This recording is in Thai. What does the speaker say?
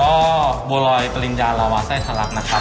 ก็บัวรอยปริญญาลาวาไส้ทะลักนะครับ